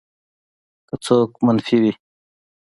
که ځواب منفي وي